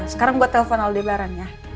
sekarang buat telepon aldebaran ya